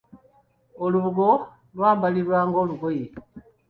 Olubugo lwambalibwa ng'olugoye.